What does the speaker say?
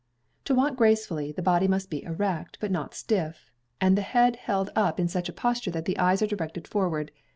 To walk gracefully, the body must be erect, but not stiff, and the head held up in such a posture that the eyes are directed forward.